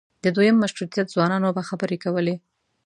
د دویم مشروطیت ځوانانو به خبرې کولې.